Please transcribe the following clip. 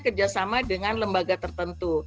kerjasama dengan lembaga tertentu